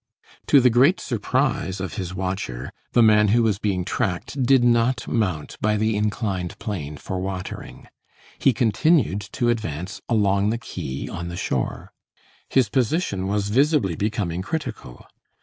To the great surprise of his watcher, the man who was being tracked did not mount by the inclined plane for watering. He continued to advance along the quay on the shore. His position was visibly becoming critical.